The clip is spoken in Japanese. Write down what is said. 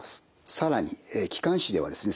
更に気管支ではですね